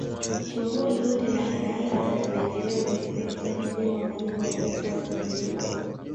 Shughuli zote na hekaheka za kimaendeleo zilipelekea kujengwa majengo yaliyokuwa yakitumiwa